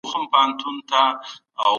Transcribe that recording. تر جذباتي پرېکړو زيات شعوري پرېکړې وکړئ.